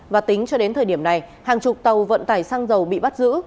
và tính cho đến thời điểm này hàng chục tàu vận tải xăng dầu bị bắt giữ